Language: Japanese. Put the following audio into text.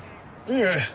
いいえ。